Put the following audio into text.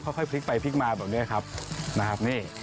ค่อยพลิกไปพลิกมาแบบนี้ครับนะครับนี่